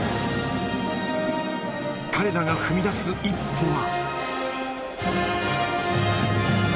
彼らが踏み出す一歩は。